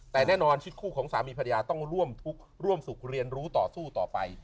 แต่แน่นอนชีวิตคู่ของสามีภรรยาต้องร่วมทุกข์ร่วมสุขเรียนรู้ต่อสู้ต่อไป